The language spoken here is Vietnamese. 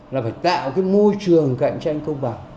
là phải tạo môi trường cạnh tranh công bằng